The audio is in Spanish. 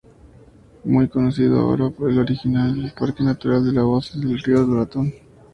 Muy conocido ahora al originar el Parque Natural de las Hoces del Río Duratón.